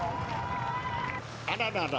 あららら。